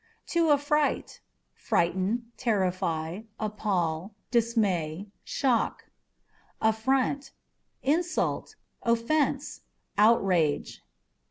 To Affright â€" frighten, terrify, appal, dismay, shock. Affront â€" insult, offence, outrage.